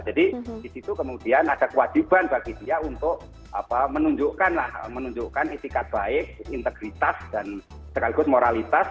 jadi di situ kemudian ada kewajiban bagi dia untuk menunjukkan istiqad baik integritas dan sekaligus moralitas